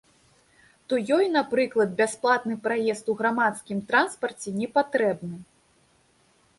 То ёй, напрыклад, бясплатны праезд у гарадскім транспарце не патрэбны.